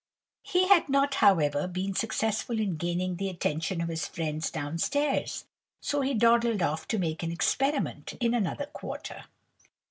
He had not, however, been successful in gaining the attention of his friends down stairs, so he dawdled off to make an experiment in another quarter.